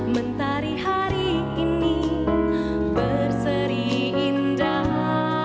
mentari hari ini berseri indah